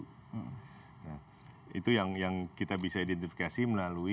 nah itu yang kita bisa identifikasi melalui